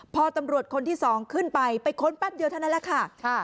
พอตำรวจคนที่สองขึ้นไปไปค้นแป๊บเดียวเท่านั้นแหละค่ะ